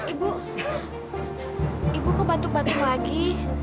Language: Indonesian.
ibu ibu ke batuk batuk lagi